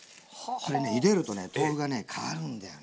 これねゆでるとね豆腐が変わるんだよね。